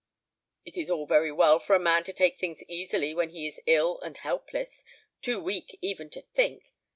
It is all very well for a man to take things easily when he is ill and helpless, too weak even to think.